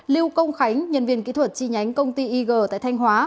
lưu công khánh nhân viên kỹ thuật chi nhánh công ty ig tại thanh hóa